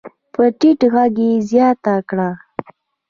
په ټيټ غږ يې زياته کړه.